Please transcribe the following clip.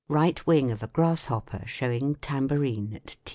Right wing of a grnsshopper, showing tambourine at